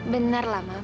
bener lah mama